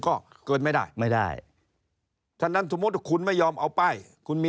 ก็เกิดไม่ได้ไม่ได้ถั้นถูมฮจะคุนไม่ยอมเอาป้ายคุณมี